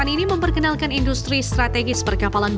ini memperkenalkan industri strategis perkapalan